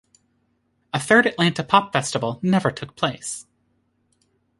A third Atlanta Pop Festival never took place.